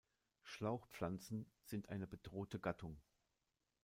Schlauchpflanzen sind eine bedrohte Gattung.